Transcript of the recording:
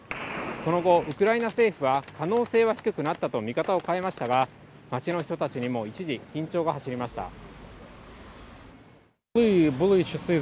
その後、ウクライナ政府は、可能性は低くなったと見方を変えましたが、街の人たちにも一時緊張が走りました。